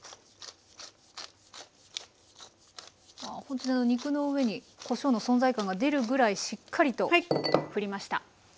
ほんとに肉の上にこしょうの存在感が出るぐらいしっかりとふりました。